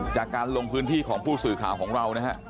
จากการลงพื้นที่ของผู้สื่อข่าวของเรานะฮะ